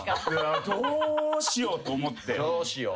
どうしようと思って。